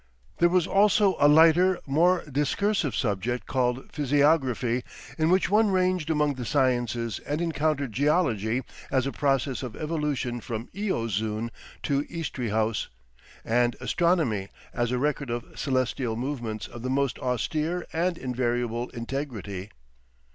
There was also a lighter, more discursive subject called Physiography, in which one ranged among the sciences and encountered Geology as a process of evolution from Eozoon to Eastry House, and Astronomy as a record of celestial movements of the most austere and invariable integrity.